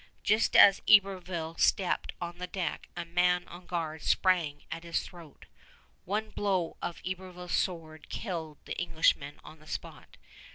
Just as Iberville stepped on the deck a man on guard sprang at his throat. One blow of Iberville's sword killed the Englishman on the spot.